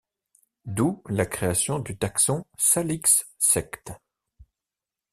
D'où la création du taxon Salix sect.